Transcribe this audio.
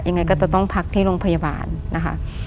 ยังไงก็จะต้องพักที่โรงพยาบาลนะคะ